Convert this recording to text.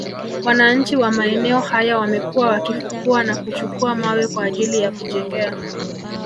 Wananchi wa maeneo haya wamekuwa wakifukua na kuchukua mawe kwa ajili ya kujengea